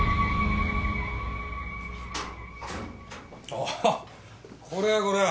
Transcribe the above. あぁこれはこれは。